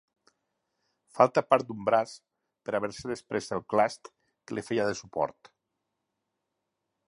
Falta part d'un braç per haver-se desprès el clast que li feia de suport.